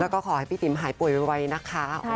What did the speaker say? แล้วก็ขอให้พี่ติ๋มหายป่วยไวนะคะ